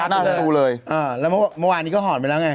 อ่าทำไมไม่งั้นนะเมื่อวานนี้ก็หอญไปแล้วไง